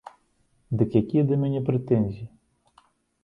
Дык якія да мяне прэтэнзіі?